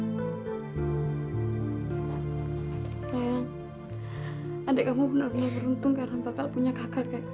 kayak adik kamu benar benar beruntung karena bakal punya kakak kayak